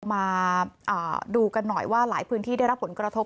มาดูกันหน่อยว่าหลายพื้นที่ได้รับผลกระทบ